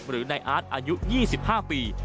หรือนายอาร์ตอายุ๒๕ปี